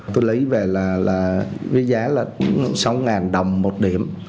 tôi lấy về là với giá là sáu đồng một điểm